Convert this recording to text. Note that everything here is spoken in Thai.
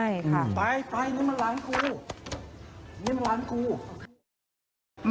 ใช่ค่ะ